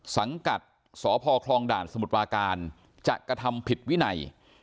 สังกัดสพคลองด่านสมุทรปราการจะกระทำผิดวินัย